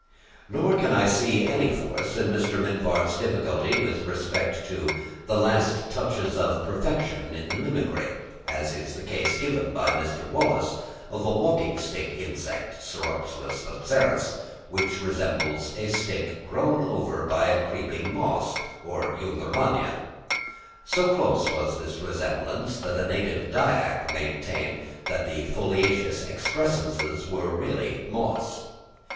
Nor can I see any force in Mr. Mivart's difficulty with respect to "the last touches of perfection in the mimicry;" as in the case given by Mr. Wallace, of a walking stick insect (Ceroxylus laceratus), which resembles "a stick grown over by a creeping moss or jungermannia." So close was this resemblance, that a native Dyak maintained that the foliaceous excrescences were really moss.